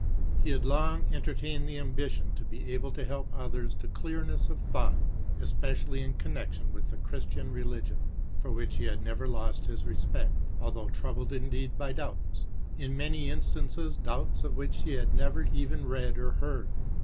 He had long entertained the ambition to be able to help others to clearness of thought, especially in connection with the Christian religion, for which he had never lost his respect, although troubled indeed by doubts, in many instances doubts of which he had never even read or heard.